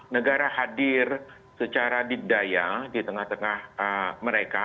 negara hadir secara didaya di tengah tengah mereka